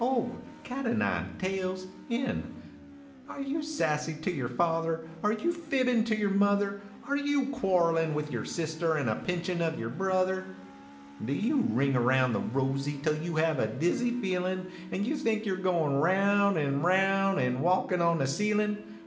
old cat o nine tails Are you sassy to yer father, are you fibbin to yer mother ? Are you quarrelin with yer sister an a pinchin of yer brother, Do you "ring around the rosey" till you have a dizzy feelin , And you think yer goin roun an ronri an walkin on the ceilin ?